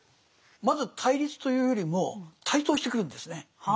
まず対立というよりも台頭してくるんですね。